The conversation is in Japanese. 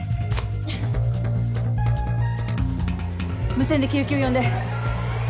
無線で救急呼んで。